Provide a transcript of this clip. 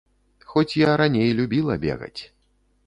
Хоць я раней любіла бегаць.